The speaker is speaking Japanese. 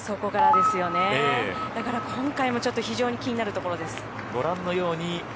だから今回も非常に気になるところです。